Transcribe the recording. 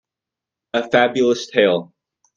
A Fabulous tale.